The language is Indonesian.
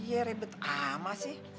iya rebut amat sih